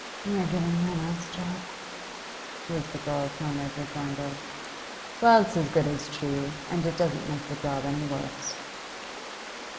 'You're giving me a nice job,' was the girl's murmured rejoinder. 'Well, it's as good as true. And it doesn't make the job any worse.